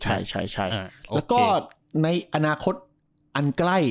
ใช่แล้วก็ในอนาคตอันใกล้